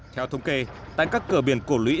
theo thống kê tại các cửa biển cổ lũy